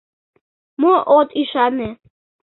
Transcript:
Мо от ӱшане.